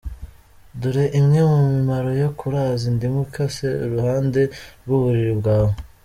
Dore imwe mu mimaro yo kuraza indimu ikase iruhande rw’uburiri bwawe:.